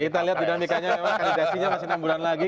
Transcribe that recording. kita lihat dinamikanya memang kandidasinya masih enam bulan lagi